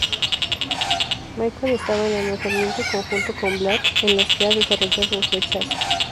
Michael está en alojamiento conjunto con Vlad, en los que ha desarrollado un flechazo.